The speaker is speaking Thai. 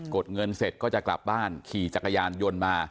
ดเงินเสร็จก็จะกลับบ้านขี่จักรยานยนต์มา